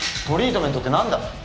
トリートメントって何だ？